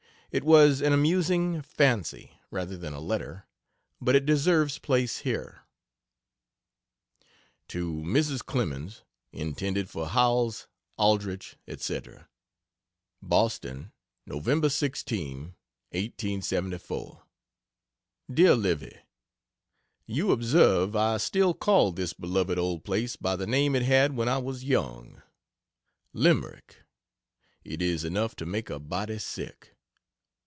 It was an amusing fancy, rather than a letter, but it deserves place here. To Mrs. Clemens intended for Howells, Aldrich, etc. BOSTON, Nov. 16, 1935. DEAR LIVY, You observe I still call this beloved old place by the name it had when I was young. Limerick! It is enough to make a body sick.